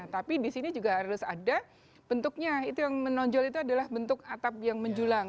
tapi di sini juga harus ada bentuknya itu yang menonjol itu adalah bentuk atap yang menjulang